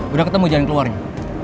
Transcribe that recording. udah ketemu jaring keluarnya